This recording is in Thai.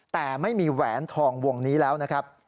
แต่ไม่มีแหวนทองวงนี้แล้วนะครับ